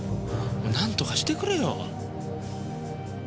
何とかしてくれよ。